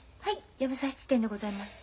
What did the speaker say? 藪沢質店でございます。